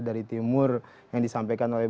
dari timur yang disampaikan oleh